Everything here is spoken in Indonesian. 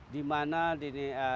di mana di